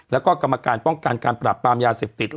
แล้วก็กรรมการป้องกันการปรับปรามยาเสพติด